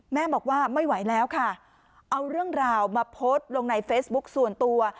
แม่บอกว่าไม่ไหวแล้วค่ะเอาเรื่องราวมาโพสต์ลงในเฟซบุ๊คส่วนตัว